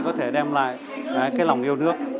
có thể đem lại cái lòng yêu thương